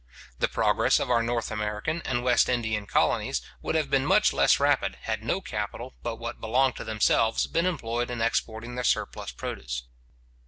The progress of our North American and West Indian colonies, would have been much less rapid, had no capital but what belonged to themselves been employed in exporting their surplus produce.